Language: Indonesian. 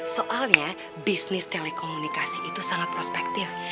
soalnya bisnis telekomunikasi itu sangat prospektif